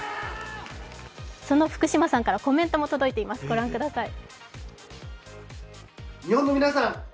その福島さんからコメントも届いています、ご覧ください。